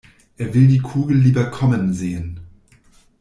Er will die Kugel lieber kommen sehen.